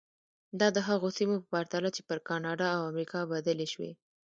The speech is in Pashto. دا د هغو سیمو په پرتله چې پر کاناډا او امریکا بدلې شوې.